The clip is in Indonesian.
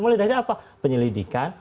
mulai dari apa penyelidikan